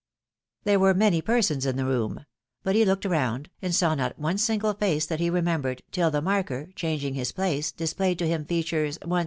There were many persons in the room ; but he looked round, and saw not one single face that he remembered, till the marker, THE PLEASURES OF IXCOGNITO. 81 changing his place, displayed to him features, one?